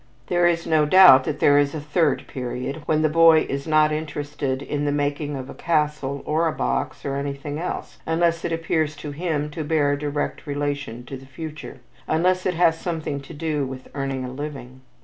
There is no doubt that there is a third period, when the boy is not interested in the making of a castle, or a box, or anything else, unless it appears to him to bear a direct relation to the future; unless it has something to do with earning a living.